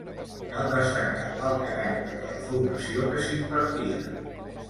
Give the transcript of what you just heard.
Cal destacar el caràcter de la formació que s'impartia.